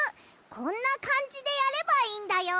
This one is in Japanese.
こんなかんじでやればいいんだよ。